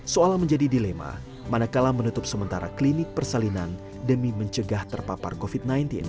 seolah menjadi dilema manakala menutup sementara klinik persalinan demi mencegah terpapar covid sembilan belas